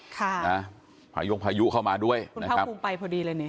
ค่ะภายุภายุเข้ามาด้วยนะครับคุณครับคุณไปพอดีเลยเนี่ย